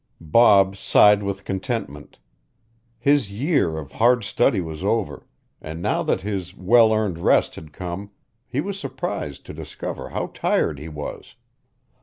Bob sighed with contentment. His year of hard study was over, and now that his well earned rest had come he was surprised to discover how tired he was.